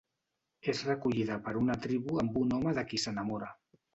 És recollida per una tribu amb un home de qui s'enamora: